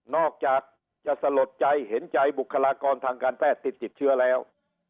อกจากจะสลดใจเห็นใจบุคลากรทางการแพทย์ติดเชื้อแล้ว